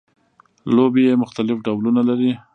لوبیې مختلف ډولونه لري